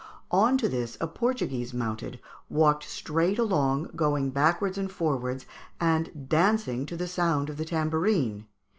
On to this a Portuguese mounted, walked straight along, going backwards and forwards, and dancing to the sound of the tambourine.